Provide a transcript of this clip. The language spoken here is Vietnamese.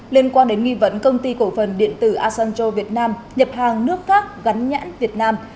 liên quan đến nghi vấn công ty cổ phần điện tử asanjo việt nam nhập hàng nước khác gắn nhãn việt nam